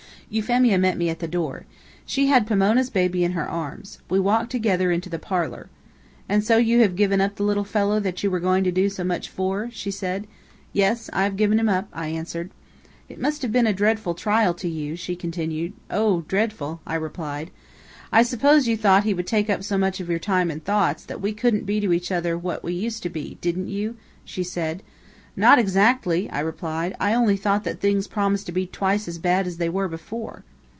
Euphemia met me at the door. She had Pomona's baby in her arms. We walked together into the parlor. "And so you have given up the little fellow that you were going to do so much for?" she said. "Yes, I have given him up," I answered. "It must have been a dreadful trial to you," she continued. "Oh, dreadful!" I replied. "I suppose you thought he would take up so much of your time and thoughts, that we couldn't be to each other what we used to be, didn't you?" she said. "Not exactly," I replied. "I only thought that things promised to be twice as bad as they were before."